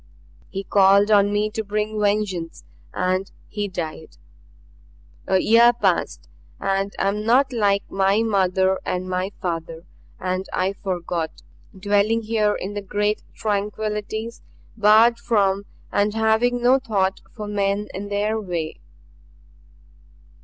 He called on me to bring vengeance and he died. A year passed and I am not like my mother and my father and I forgot dwelling here in the great tranquillities, barred from and having no thought for men and their way.